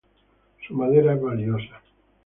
Su madera es valiosa.